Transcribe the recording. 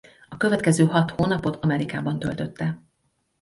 A következő hat hónapot Amerikában töltötte.